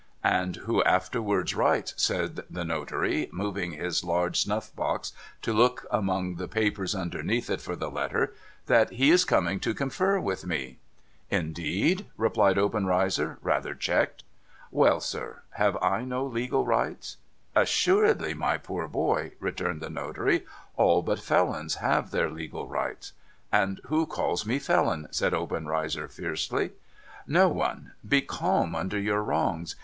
'— And who afterwards writes,' said the notary, moving his large snuff box to look among the papers underneath it for the letter, ' that he is coming to confer with me.' ' Indeed ?' replied Obenreizer, rather checked. ' Well, sir. Have I no legal rights ?'' Assuredly, my poor boy,' returned the notary. ' All but felons have their legal rights,' ' And who calls me felon ?' said Obenreizer, fiercely. No one. Be calm under your wrongs.